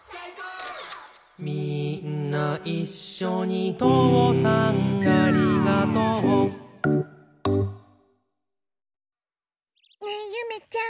「みーんないっしょにとうさんありがとう」ねえゆめちゃん